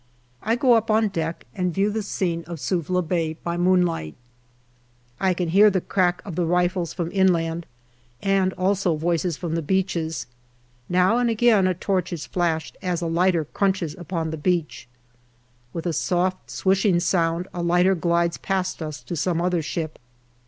I go up on deck and view the scene of Suvla Bay by moonlight. I can hear the crack of the DECEMBER 297 rifles from inland and also voices from the beaches; now and again a torch is flashed as a lighter crunches upon the beach. With a soft swishing sound, a lighter glides past us to some other ship.